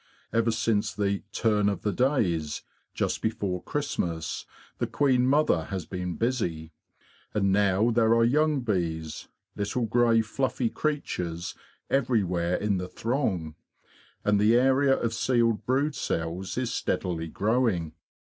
Ever since the "' turn of the days,"' just before Christmas, the queen mother has been busy; and now there are young bees, little grey fluffy creatures, everywhere in the throng; and the area of sealed brood cells is steadily growing.